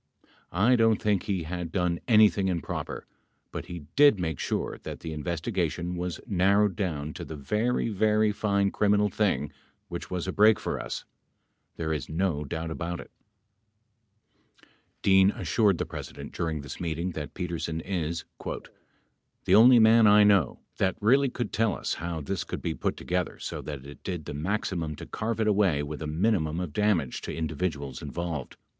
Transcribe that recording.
I don't think he had done anything improper , but he did make sure that the inves tigation was narrowed down to the very , very fine criminal thing which ivas a break for us. There is no doubt about it. 33 [Emphasis added.] Dean assured the President during this meeting that Petersen is "the only man I know ... that really could tell us how this could be put together so that it did the maximum to carve it away with a minimum of damage to individuals involved."